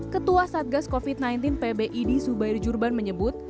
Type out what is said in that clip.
ketua satgas covid sembilan belas pbid subairi jurban menyebut